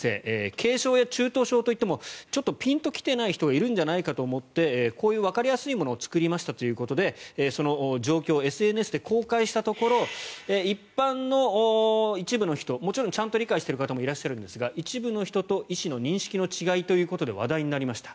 軽症や中等症といってもピンと来ていない人がいるんじゃないかと思ってこういうわかりやすいやつを作りましたということでその状況をＳＮＳで公開したところ一般の一部の人もちろんちゃんと理解している方もいますが一部の人と医師の認識の違いということで話題になりました。